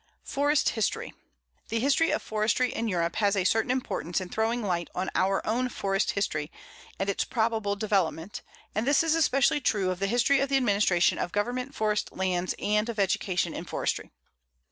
FOREST HISTORY: The history of forestry in Europe has a certain importance in throwing light on our own forest history and its probable development, and this is especially true of the history of the administration of Government forest lands and of education in forestry.